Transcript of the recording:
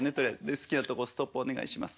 好きなとこ「ストップ」お願いします。